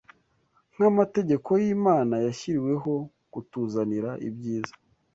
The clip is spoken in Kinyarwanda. nk’amategeko y’Imana, yashyiriweho kutuzanira ibyiza